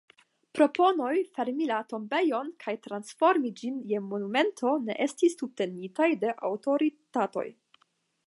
Proponoj fermi la tombejon kaj transformi ĝin je monumento ne estis subtenitaj de aŭtoritatoj.